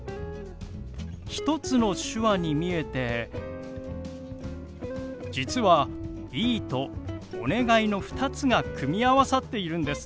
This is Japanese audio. １つの手話に見えて実は「いい」と「お願い」の２つが組み合わさっているんです。